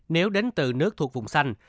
nếu đến từ nước thuộc vùng xanh